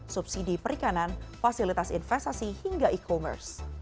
subsidi perikanan fasilitas investasi hingga e commerce